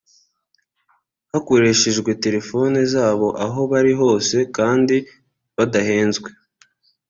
hakoreshejwe telefoni zabo aho bari hose kandi badahenzwe